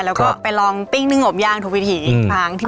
แล้วก็ไปที่ลองปิ้งนึงของย่างถูกพิธี